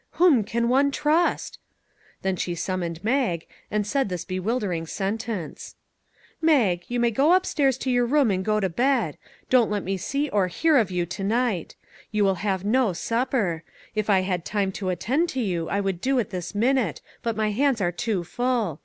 Whom can one trust ?" Then she summoned Mag, and said this bewildering sentence : 40 ETHEL " Mag, you may go upstairs to your room, and go to bed. Don't let me see or hear of you to night. You will have no supper; if I had time to attend to you, I would do it this minute ; but my hands are too full.